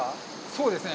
そうですね。